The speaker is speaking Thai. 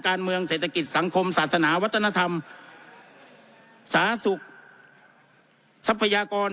การเมืองเศรษฐกิจสังคมศาสนาวัฒนธรรมสาธารณสุขทรัพยากร